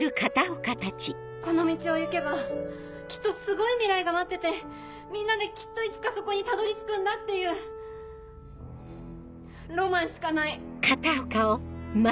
この道を行けばきっとすごい未来が待っててみんなできっといつかそこにたどり着くんだっていうロマンしかない。